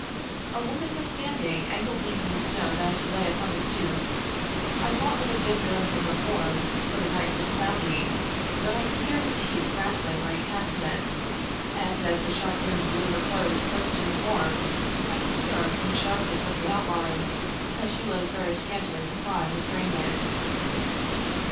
A woman was standing ankle deep in the snow that lay upon the stoop. I caught but a dim glimpse of her form, for the night was cloudy ; but I could hear her teeth rattling like castanets, and, as the sharp wind blew her clothies close to her form, I could discern from the sharpness of the outlines that she was very scantily supplied with raiment.